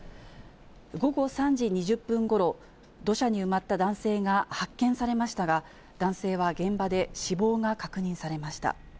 午後３時２０分ごろ、土砂に埋まった男性が発見されましたが、男性は現場で死亡が確認されました。